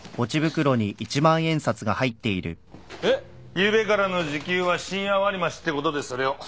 ゆうべからの時給は深夜割り増しってことでそれを。